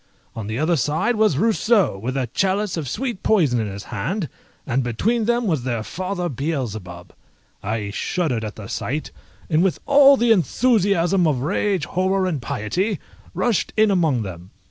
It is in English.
On the other side was Rousseau, with a chalice of sweet poison in his hand, and between them was their father Beelzebub! I shuddered at the sight, and with all the enthusiasm of rage, horror, and piety, rushed in among them.